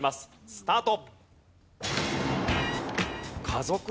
スタート！